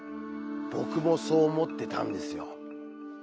僕もそう思ってたんですよ。